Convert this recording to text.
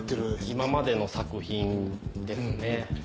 今までの作品ですね。